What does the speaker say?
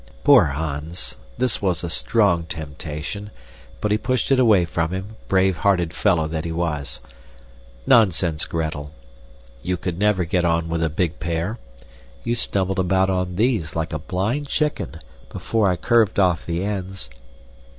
Poor Hans! This was a strong temptation, but he pushed it away from him, brave hearted fellow that he was. "Nonsense, Gretel. You could never get on with a big pair. You stumbled about with these, like a blind chicken, before I curved off the ends.